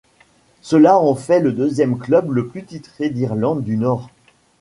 Cela en fait le deuxième club le plus titré d’Irlande du Nord.